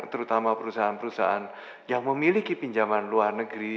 terutama perusahaan perusahaan yang memiliki pinjaman luar negeri